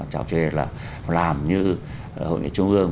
chào chơi là làm như hội nghị trung ương